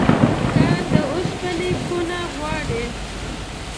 کار د اوسپني کونه غواړي.